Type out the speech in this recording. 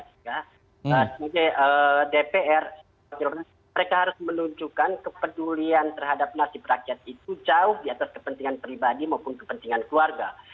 jadi dpr mereka harus menunjukkan kepedulian terhadap nasib rakyat itu jauh di atas kepentingan pribadi maupun kepentingan keluarga